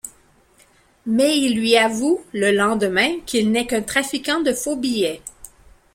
Mais il lui avoue, le lendemain qu'il n'est qu'un trafiquant de faux billets.